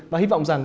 và hy vọng rằng